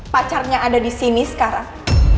pacarnya ada disini sekarang